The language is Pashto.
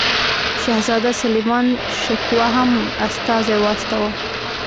شهزاده سلیمان شکوه هم استازی واستاوه.